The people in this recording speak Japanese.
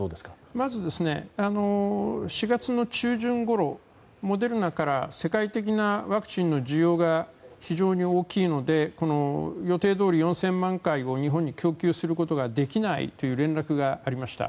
まず、４月の中旬ごろモデルナから世界的なワクチンの需要が非常に大きいので予定どおり４０００万回を日本に供給することができないという連絡がありました。